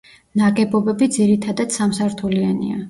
ნაგებობები ძირითადად სამსართულიანია.